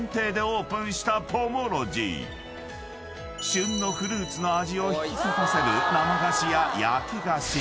［旬のフルーツの味を引き立たせる生菓子や焼き菓子